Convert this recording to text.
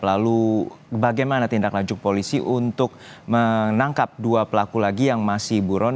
lalu bagaimana tindak lanjut polisi untuk menangkap dua pelaku lagi yang masih buron